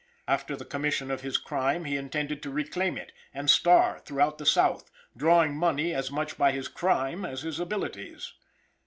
After the commission of his crime he intended to reclaim it, and "star" through the South, drawing money as much by his crime as his abilities.